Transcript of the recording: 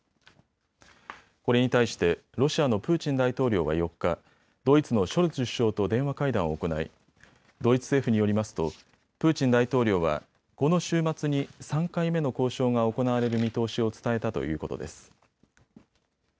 これに対してロシアのプーチン大統領は４日、ドイツのショルツ首相と電話会談を行いドイツ政府によりますとプーチン大統領はこの週末に３回目の交渉が行われる見通しを伝えたということです。